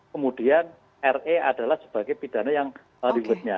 kemudian re adalah sebagai pidana yang ribetnya